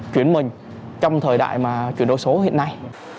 chuyển mình trong thời đại mà chuyển đổi số hiện nay